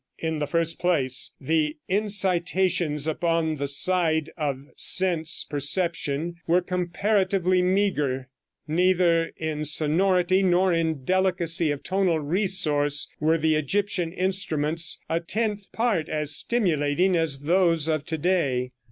In the first place, the incitations upon the side of sense perception were comparatively meager. Neither in sonority nor in delicacy of tonal resource were the Egyptian instruments a tenth part as stimulating as those of to day.